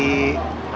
ada salam ya